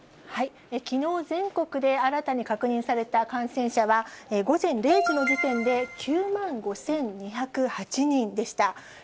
きのう全国で新たに確認された感染者は、午前０時の時点で９万５２０８人でした。